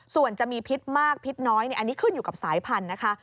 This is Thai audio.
ส่วนจะมีพิษมากพิษน้อยอันนี้ขึ้นอยู่กับสายพันธุ์นะคะ